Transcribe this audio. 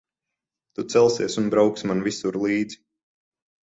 Tu celsies un brauksi man visur līdzi.